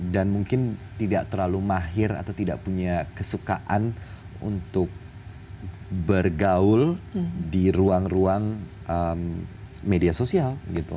dan mungkin tidak terlalu mahir atau tidak punya kesukaan untuk bergaul di ruang ruang media sosial gitu